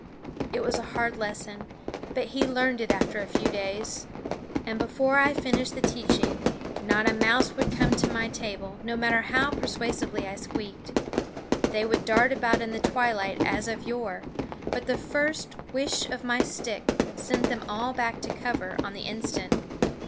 It was a hard lesson, but he learned it after a few days. And before I finished the teaching, not a mouse would come to my table, no matter how persuasively I squeaked. They would dart about in the twilight as of yore, but the first whish of my stick sent them all back to cover on the instant.